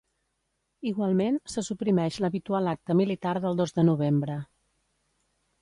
Igualment, se suprimeix l’habitual acte militar del dos de novembre.